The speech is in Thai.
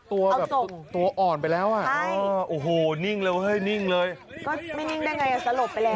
เอาส่งใช่โอ้โฮนิ่งเลยนิ่งเลยไม่นิ่งได้ไงสลบไปแล้ว